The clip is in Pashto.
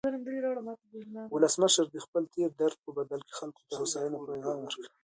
ولسمشر د خپل تېر درد په بدل کې خلکو ته د هوساینې پیغام ورکړ.